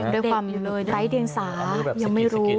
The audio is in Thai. ด้วยความไร้เดียงสายังไม่รู้